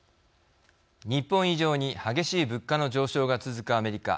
日本以上に激しい物価の上昇が続くアメリカ